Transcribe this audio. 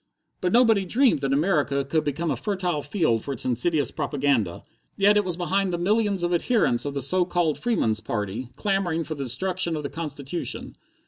But nobody dreamed that America could become a fertile field for its insidious propaganda. Yet it was behind the millions of adherents of the so called Freemen's Party, clamoring for the destruction of the constitution.